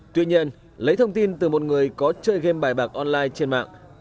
tuy nhiên lấy thông tin từ một người có chơi game bài bạc online trên mạng